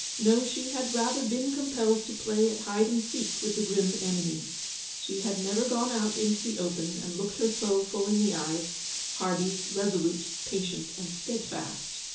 No, she had rather been compelled to play at hide and seek with the grim enemy. She had never gone out into the open, and looked her foe full in the eyes, hardy, resolute, patient, and steadfast.